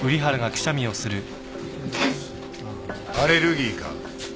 アレルギーか？